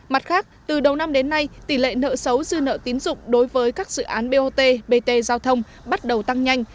mặt khác từ đầu năm đến nay tỷ lệ nợ xấu dư nợ tín dụng đối với các dự án bot bt giao thông bắt đầu tăng nhanh